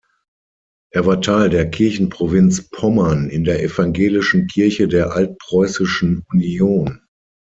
Er war Teil der Kirchenprovinz Pommern in der Evangelischen Kirche der Altpreußischen Union.